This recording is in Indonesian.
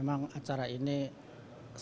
memang acara ini sangat baik